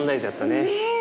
ねえ。